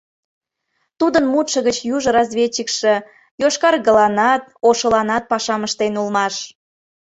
Тудын мутшо гыч южо разведчикше йошкаргыланат, ошыланат пашам ыштен улмаш.